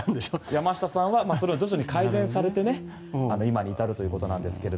山下さんはそれが徐々に改善されて今に至るということなんですが。